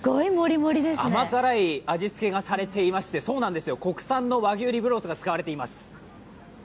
甘辛い味付けがされていまして、国産の和牛リブロースが使われています。